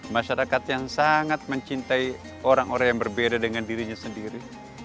masyarakat yang sangat mencintai orang orang yang berbeda dengan dirinya sendiri